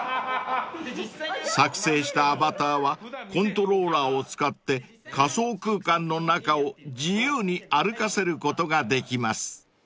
［作製したアバターはコントローラーを使って仮想空間の中を自由に歩かせることができます］